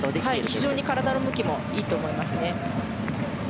非常に体の向きもいいと思いますね。